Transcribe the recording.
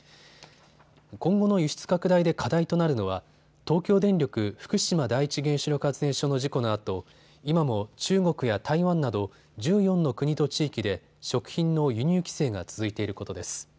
今後の輸出拡大で課題となるのは東京電力福島第一原子力発電所の事故のあと今も中国や台湾など１４の国と地域で食品の輸入規制が続いていることです。